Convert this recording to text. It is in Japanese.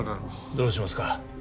どうしますか？